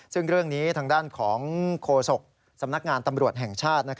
ซึ่งเรื่องนี้ทางด้านของโฆษกสำนักงานตำรวจแห่งชาติ